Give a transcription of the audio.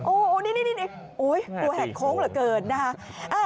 โอ๊ยนี่โอ๊ยกลัวแห่งโค้งเหลือเกินนะคะ